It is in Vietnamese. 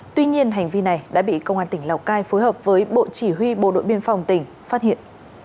tuy nhiên hành vi này đã bị công an tỉnh lào cai phối hợp với bộ chỉ huy bộ đội biên phòng tỉnh phát hiện